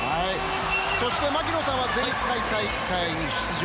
そして槙野さんは前回大会に出場。